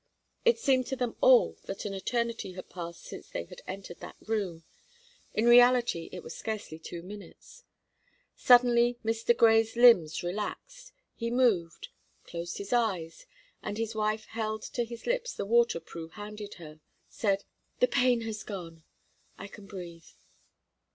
It seemed to them all that an eternity had passed since they had entered that room in reality it was scarcely two minutes. Suddenly Mr. Grey's limbs relaxed, he moved, closed his eyes, and as his wife held to his lips the water Prue handed her, said: "The pain has gone; I can breathe."